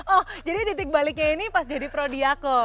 oh jadi titik baliknya ini pas jadi prodiaco